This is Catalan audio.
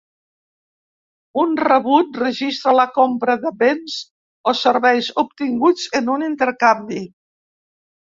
Un rebut registra la compra de béns o serveis obtinguts en un intercanvi.